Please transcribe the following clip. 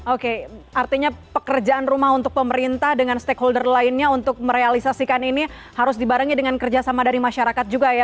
oke artinya pekerjaan rumah untuk pemerintah dengan stakeholder lainnya untuk merealisasikan ini harus dibarengi dengan kerjasama dari masyarakat juga ya